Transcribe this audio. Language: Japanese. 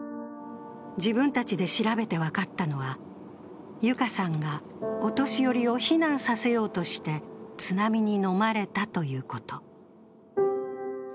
自分たちで調べて分かったのは、裕香さんがお年寄りを避難させようとして津波にのまれたということ。